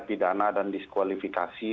pidana dan diskualifikasi